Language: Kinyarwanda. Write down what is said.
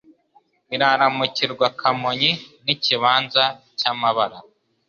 Iraramukirwa Kamonyi N’ikibanza cya Mabara,